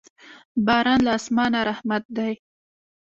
باران له اسمانه رحمت دی.